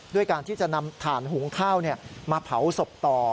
การที่จะนำถ่านหุงข้าวมาเผาศพต่อ